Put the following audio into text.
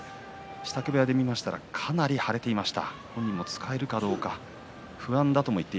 支度部屋で見たらかなり腫れていました。